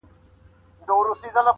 • د ښکاري په لاس چاړه وه دم درحاله -